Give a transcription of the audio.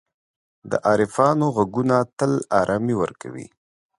د عارفانو ږغونه تل آرامي ورکوي.